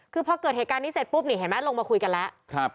คือพอเกิดเหตุการณ์นี้เสร็จปุ๊บนี่เห็นไหมลงมาคุยกันแล้ว